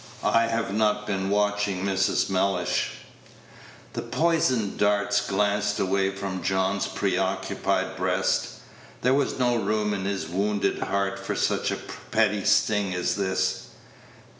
"I have not been watching Mrs. Mellish." The poisoned darts glanced away from John's preoccupied breast. There was no room in his wounded heart for such a petty sting as this.